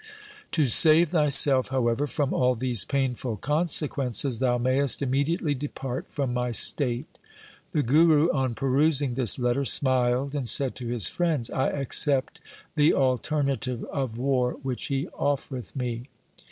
To save thyself, however, from all these painful consequences, thou mayest imme diately depart from my state.' The Guru on perusing this letter smiled and said to his friends, ' I accept the alternative of war which he offereth me.'